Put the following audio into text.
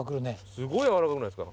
すごい軟らかくないですか？